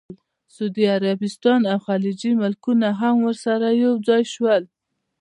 سعودي عربستان او خلیجي ملکونه هم ورسره یوځای شول.